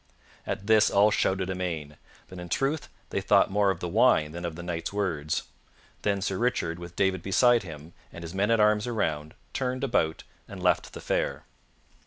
At this all shouted amain; but in truth they thought more of the wine than of the Knight's words. Then Sir Richard, with David beside him and his men at arms around, turned about and left the fair.